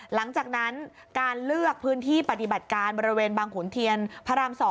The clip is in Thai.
หลังจากนั้นการเลือกพื้นที่ปฏิบัติการบริเวณบางขุนเทียนพระราม๒